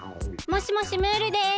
もしもしムールです。